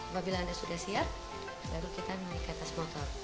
apabila anda sudah siap lalu kita menikah tas motor